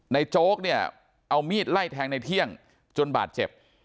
โจ๊กเนี่ยเอามีดไล่แทงในเที่ยงจนบาดเจ็บ